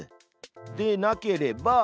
「でなければ」